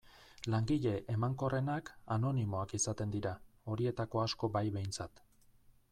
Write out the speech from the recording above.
Langile emankorrenak anonimoak izaten dira, horietako asko bai behintzat.